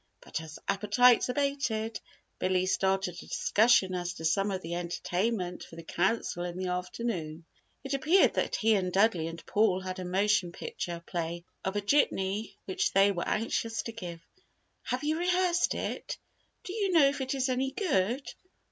But as appetites abated, Billy started a discussion as to some of the entertainment for the Council in the afternoon. It appeared that he and Dudley and Paul had a motion picture play of a jitney which they were anxious to give. "Have you rehearsed it do you know if it is any good?"